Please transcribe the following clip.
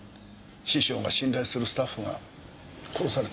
師匠が信頼するスタッフが殺されたんだ。